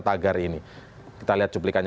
tagar ini kita lihat cuplikannya